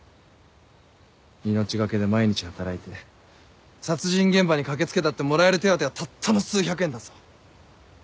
命懸けで毎日働いて殺人現場に駆けつけたってもらえる手当はたったの数百円だぞ。